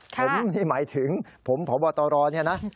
ผมนี่หมายถึงผมพบตรเนี่ยนะ